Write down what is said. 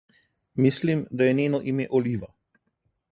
Mislim, da je njeno ime Oliva.